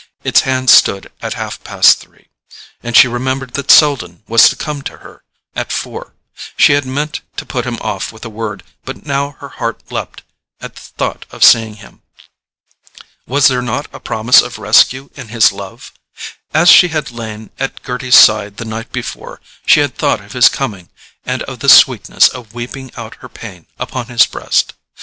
Its hands stood at half past three, and she remembered that Selden was to come to her at four. She had meant to put him off with a word—but now her heart leaped at the thought of seeing him. Was there not a promise of rescue in his love? As she had lain at Gerty's side the night before, she had thought of his coming, and of the sweetness of weeping out her pain upon his breast.